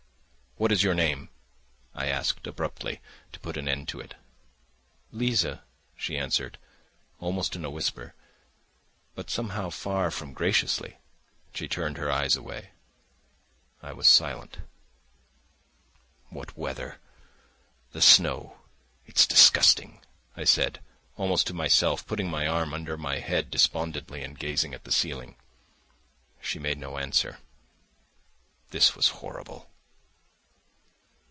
"What is your name?" I asked abruptly, to put an end to it. "Liza," she answered almost in a whisper, but somehow far from graciously, and she turned her eyes away. I was silent. "What weather! The snow ... it's disgusting!" I said, almost to myself, putting my arm under my head despondently, and gazing at the ceiling. She made no answer. This was horrible.